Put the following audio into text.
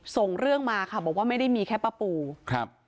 ส่งเรื่องมาค่ะบอกว่าไม่ได้มีแค่ป้าปูครับ